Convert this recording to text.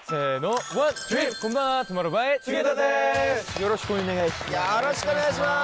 よろしくお願いします。